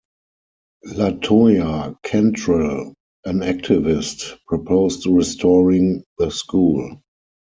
LaToya Cantrell, an activist, proposed restoring the school.